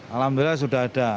alhamdulillah sudah ada